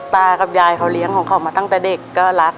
ตากับยายเขาเลี้ยงของเขามาตั้งแต่เด็กก็รัก